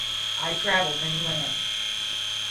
I traveled many lands.